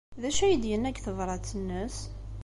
D acu ay d-yenna deg tebṛat-nnes?